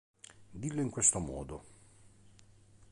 Dillo in questo modo!